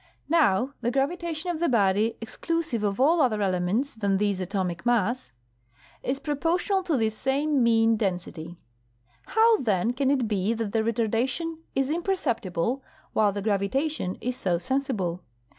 Now, the gravitation of the body (exclusive of all other elements than this atomic mass) is proportional to this same mean den sity. How, then, can it be that the retardation is imperceptible while the gravitation is so sensible?